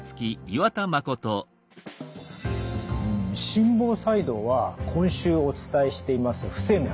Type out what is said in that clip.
心房細動は今週お伝えしています「不整脈」